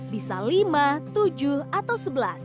bisa lima tujuh atau sebelas